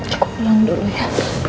aku pulang dulu ya